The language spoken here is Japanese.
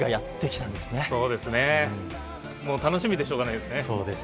そうですね、楽しみでしょうがないですね。